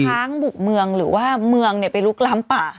ช้างบุกเมืองหรือว่าเมืองไปลุกล้ำป่า